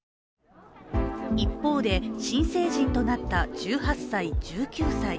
一方で、新成人となった１８歳、１９歳。